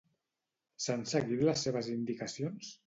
S'han seguit les seves indicacions?